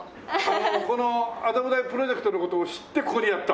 この麻布台プロジェクトの事を知ってここにやった？